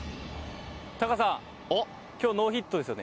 タカさん今日ノーヒットですよね。